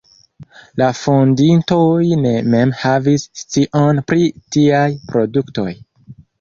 La fondintoj ne mem havis scion pri tiaj produktoj.